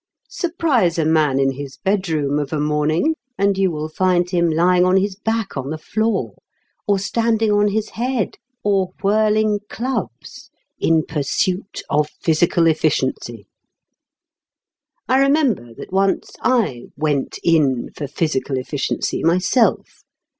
Surprise a man in his bedroom of a morning, and you will find him lying on his back on the floor, or standing on his head, or whirling clubs, in pursuit of physical efficiency. I remember that once I "went in" for physical efficiency myself.